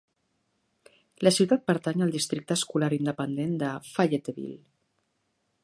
La ciutat pertany al districte escolar independent de Fayetteville.